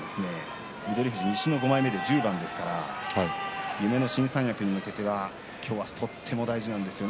富士は西の５枚目で１０番ですから夢の新三役に向けては今日はとっても大事ですよね。